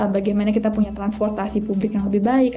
bagaimana kita punya transportasi publik yang lebih baik